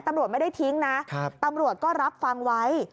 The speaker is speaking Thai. ตำรวจไม่ได้ทิ้งนะตำรวจก็รับฟังไว้